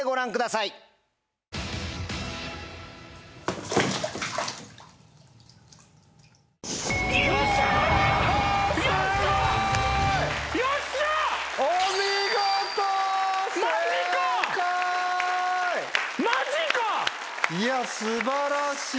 いや素晴らしい。